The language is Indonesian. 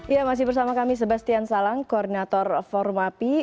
ya masih bersama kami sebastian salang koordinator forum api